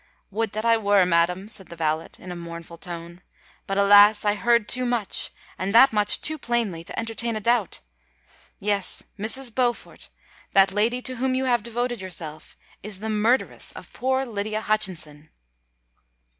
"Would that I were, madam," said the valet, in a mournful tone; "but, alas! I heard too much—and that much too plainly—to entertain a doubt! Yes, Mrs. Beaufort—that lady to whom you have devoted yourself, is the murderess of poor Lydia Hutchinson!"